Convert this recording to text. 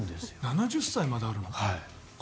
７０歳まであるの？